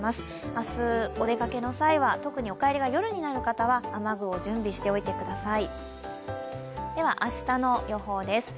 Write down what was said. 明日、お出かけの際は特にお帰りが夜になる方は雨具を準備しておいてください。